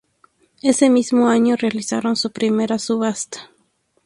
En ese mismo año realizaron su primera subasta.